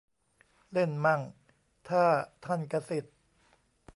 เล่นมั่ง : ถ้าท่านกษิต